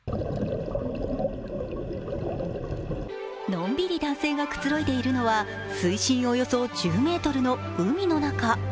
のんびり男性がくつろいでいるのは水深およそ１０ｍの海の中。